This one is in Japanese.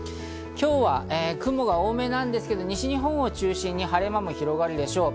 今日は雲が多めなんですけど西日本を中心に晴れ間も広がるでしょう。